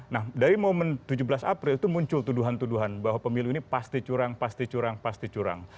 nah dari momen tujuh belas april itu muncul tuduhan tuduhan bahwa pemilu ini pasti curang pasti curang pasti curang